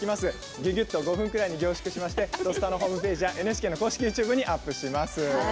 ぎゅぎゅっと５分くらいに凝縮して「土スタ」ホームページやＮＨＫ公式ＹｏｕＴｕｂｅにアップします。